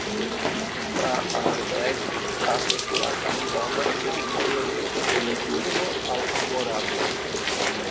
Tra Aarberg pasas la kantona ĉefvojo de Soloturno al Morato.